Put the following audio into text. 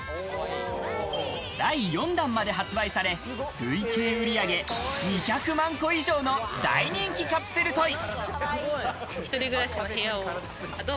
第４弾まで発売され、累計売上２００万個以上の大人気カプセルトイ。